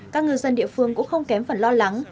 các ngư dân địa phương cũng không kém phần lo lắng